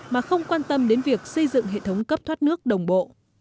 mà không quan tâm đến việc xây dựng hệ thống cấp thoát nước đồng bộ